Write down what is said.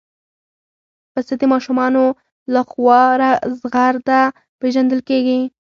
پسه د ماشومانو لخوا زغرده پېژندل کېږي.